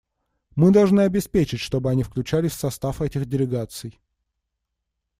Мы должны обеспечить, чтобы они включались в состав этих делегаций.